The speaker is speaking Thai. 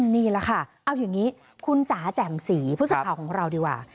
นี่แหละค่ะเอาอย่างนี้คุณจ๋าแจ่มสีผู้สื่อข่าวของเราดีกว่า